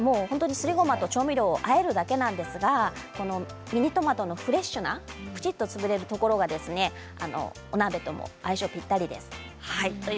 すりごまと調味料をあえるだけなんですがミニトマトのフレッシュなぷちっと潰れるところがお鍋とも相性ぴったりです。